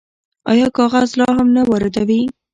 آیا کاغذ لا هم نه واردوي؟